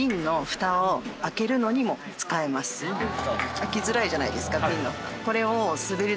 開きづらいじゃないですかビンのフタ。